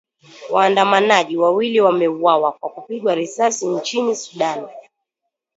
Waandamanaji wawili wameuawa kwa kupigwa risasi nchini Sudan.